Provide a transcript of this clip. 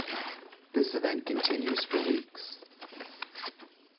This event continues for weeks.